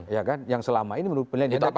ya kan yang selama ini menurut penelitian